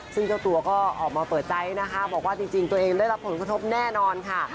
ซึ่งเจ้าตัวก็ออกมาเปิดใจนะคะบอกว่าจริงตัวเองได้รับผลกระทบแน่นอนค่ะ